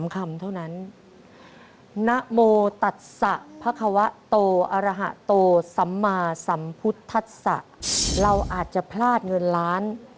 คำเท่านั้นนโมตัดสะพระควะโตอรหะโตสัมมาสัมพุทธศะเราอาจจะพลาดเงินล้าน